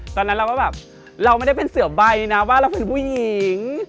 ตอนนั้นเราก็แบบเราไม่ได้เป็นเสือใบนะว่าเราคือผู้หญิง